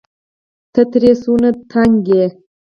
ته ترې څونه دنګ يې